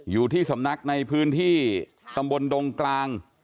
อยู่ที่สำนักในพื้นที่ตำบลดงกลาง